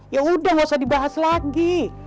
yaudah gausah dibahas lagi